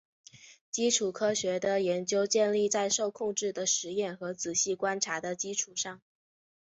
基础科学的研究建立在受控制的实验和仔细观察的基础上。